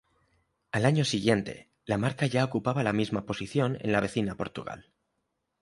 Al año siguiente, la marca ya ocupaba la misma posición en la vecina Portugal.